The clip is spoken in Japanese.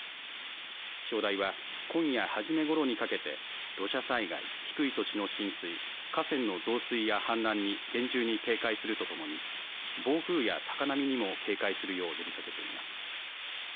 気象台は、今夜初めごろにかけて土砂災害、低い土地の浸水、河川の増水や氾濫に厳重に警戒するとともに、暴風や高波にも警戒するよう呼びかけています。